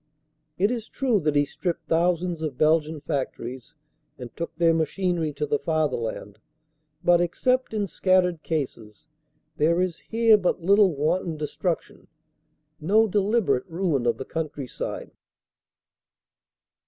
It is true that he stripped thousands of Belgian factories and took their machinery to the Father land, but, except in scattered cases, there is here but little wan ton destruction, no deliberate ruin of the countryside.